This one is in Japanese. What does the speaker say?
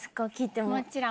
もちろん。